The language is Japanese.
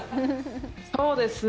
そうですね。